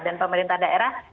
dan pemerintah daerah